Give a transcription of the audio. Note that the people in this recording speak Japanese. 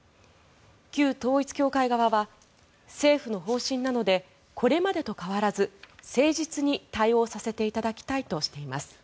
旧統一教会側は政府の方針なのでこれまでと変わらず誠実に対応させていただきたいとしています。